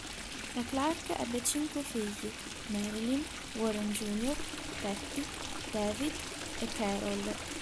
La Clark ebbe cinque figli: Marilyn, Warren Jr, Patty, David e Carol.